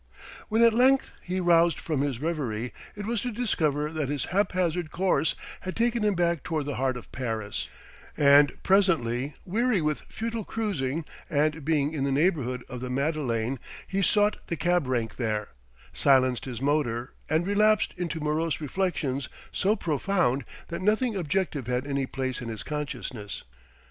When at length he roused from his reverie, it was to discover that his haphazard course had taken him back toward the heart of Paris; and presently, weary with futile cruising and being in the neighbourhood of the Madeleine, he sought the cab rank there, silenced his motor, and relapsed into morose reflections so profound that nothing objective had any place in his consciousness.